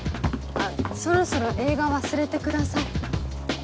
そろそろ映画忘れてください。